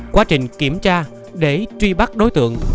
quá trình kiểm tra để truy bắt đối tượng